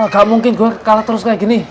gak mungkin gue kalah terus kayak gini